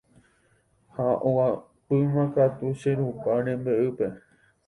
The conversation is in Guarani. Ha oguapýmakatu che rupa rembe'ýpe.